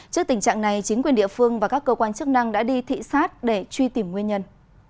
trước tình trạng này chính quyền địa phương và các cơ quan chức năng đã đi thị xát để truy tìm nguyên nhân